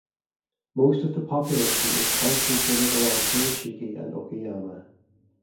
Most of the population is concentrated around Kurashiki and Okayama.